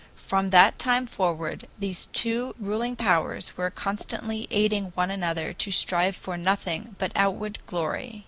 From that time forward these two ruling powers were constantly aiding one another to strive for nothing but outward glory.